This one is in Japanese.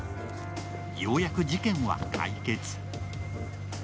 ようやく事件は解決。